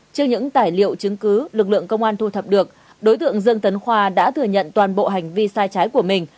trước những tài liệu chứng cứ lực lượng công an thu thập được đối tượng dương tấn khoa đã thừa nhận toàn bộ hành vi sai trái của mình